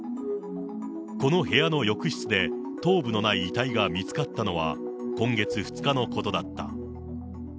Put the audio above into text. この部屋の浴室で、頭部のない遺体が見つかったのは、今月２日のことだった。